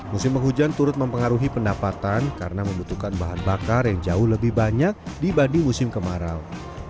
musim hujan turut mempengaruhi pendapatan karena membutuhkan bahan bakar yang jauh lebih banyak dibanding musim kemarau